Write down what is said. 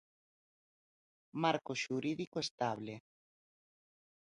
Marco xurídico estable.